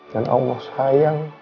dan allah sayang